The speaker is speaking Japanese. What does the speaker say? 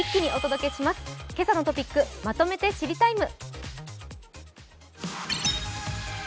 「けさのトピックまとめて知りＴＩＭＥ，」。